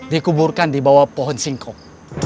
dikuburkan di bawah pohon singkong